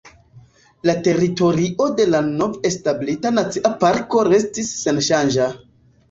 La teritorio de la nove establita nacia parko restis senŝanĝa.